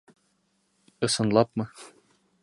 Ысынлапмы?